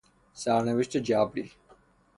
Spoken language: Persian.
سرنوشت جبری